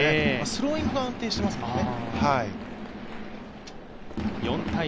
スローイングが安定してますね。